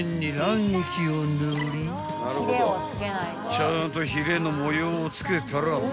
［ちゃんとヒレの模様をつけたらば］